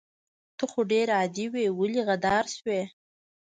ته خو ډير عادي وي ولې غدار شوي